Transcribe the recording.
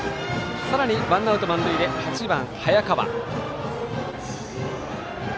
さらにワンアウト満塁で８番、早川。